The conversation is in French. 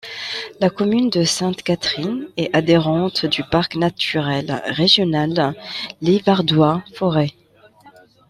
La commune de Sainte-Catherine est adhérente du parc naturel régional Livradois-Forez.